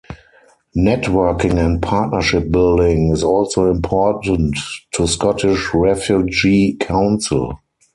Networking and partnership-building is also important to Scottish Refugee Council.